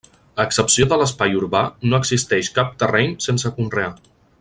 A excepció de l'espai urbà, no existeix cap terreny sense conrear.